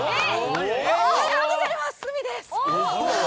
おはようございます、鷲見です。